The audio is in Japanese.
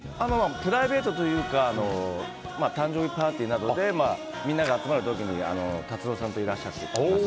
プライベートというか誕生日パーティーなどでみんなが集まる時に達郎さんといらっしゃって。